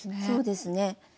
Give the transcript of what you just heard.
そうですね